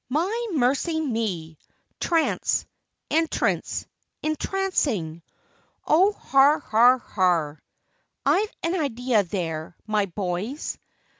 My, mercy me! Trance entrance entrancing. Oh, har, har, har! I've an idea there, my boys!"